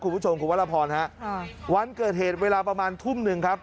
คุณผู้ชมคุณวรพรฮะค่ะวันเกิดเหตุเวลาประมาณทุ่มหนึ่งครับ